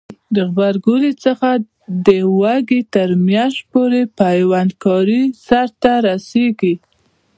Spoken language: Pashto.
د غبرګولي څخه د وږي تر میاشتې پورې پیوند کاری سرته رسیږي.